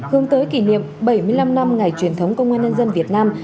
hướng tới kỷ niệm bảy mươi năm năm ngày truyền thống công an nhân dân việt nam